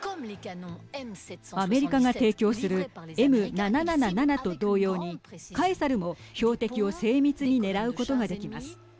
アメリカが提供するМ７７７と同様にカエサルも標的を精密に狙うことができます。